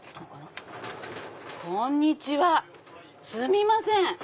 こんにちはすみません。